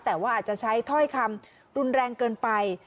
แต่ว่าอาจจะใช้ถ้อยคำรุนแรงเกินไป